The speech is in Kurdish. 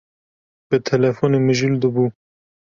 Bi telefonê mijûl dibû.